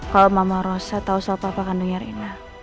kalau mama rosnya tau soal papa kandungnya rena